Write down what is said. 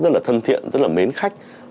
rất là thân thiện rất là mến khách